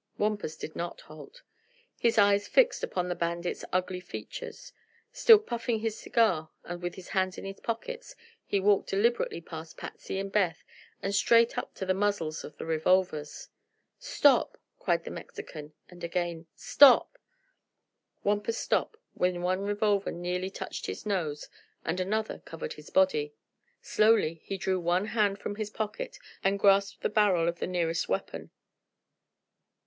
Wampus did not halt. His eyes fixed upon the bandit's ugly features, still puffing his cigar and with hands in his pockets he walked deliberately past Patsy and Beth and straight up to the muzzles of the revolvers. "Stop!" cried the Mexican; and again: "Stop!" Wampus stopped when one revolver nearly touched his nose and another covered his body. Slowly he drew one hand from his pocket and grasped the barrel of the nearest weapon.